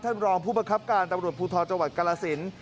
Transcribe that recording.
ท่านรองผู้ประคับการตำรวจพูทธอจังหวัดกาลสิน